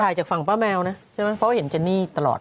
ถ่ายจากฝั่งป้าแมวนะเพราะว่าเห็นเจนนี่ตลอด